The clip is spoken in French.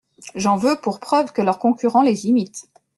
J’en veux pour preuve que leurs concurrents les imitent.